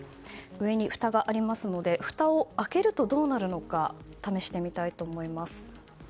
上にふたがありますのでふたを開けるとどうなるのか試してみたいと思います。